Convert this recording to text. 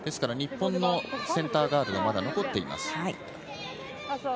日本のセンターガードがまだ残っています。